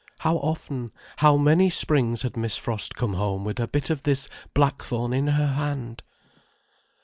How often, how many springs had Miss Frost come home with a bit of this black thorn in her hand!